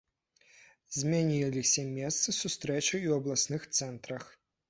Змяніліся месцы сустрэчы і ў абласных цэнтрах.